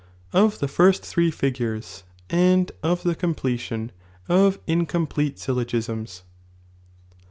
— Of the three first Figurei, and of the CmnpUtion of Incomplete Syllogisms.